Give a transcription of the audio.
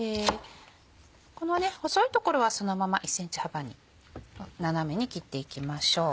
この細い所はそのまま１ｃｍ幅に斜めに切っていきましょう。